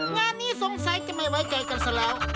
งานนี้สงสัยจะไม่ไว้ใจกันซะแล้ว